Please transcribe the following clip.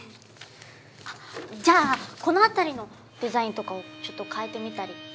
あっじゃあこの辺りのデザインとかをちょっと変えてみたり。